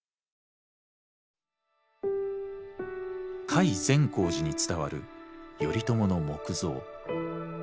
甲斐善光寺に伝わる頼朝の木像。